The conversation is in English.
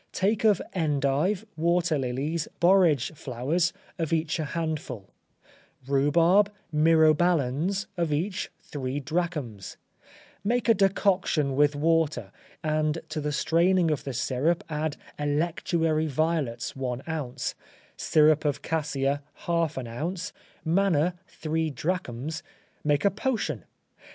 Take of endive, water lilies, borage flowers, of each a handful; rhubarb, mirobalans, of each three drachms; make a decoction with water, and to the straining of the syrup add electuary violets one ounce, syrup of cassia half an ounce, manna three drachms; make a potion.